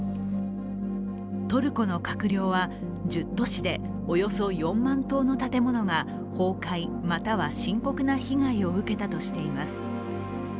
トルコの閣僚は、１０都市でおよそ４万棟の建物が崩壊または深刻な被害を受けたとしています。